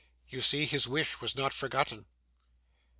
You see his wish was not forgotten.